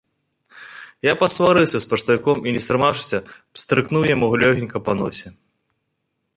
Я пасварыўся з паштавіком і, не стрымаўшыся, пстрыкнуў яму лёгенька па носе.